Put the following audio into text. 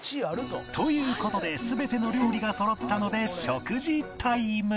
という事で全ての料理がそろったので食事タイム